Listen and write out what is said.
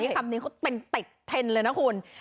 คำนี้เป็นเต็กเทนเลยนะคุณ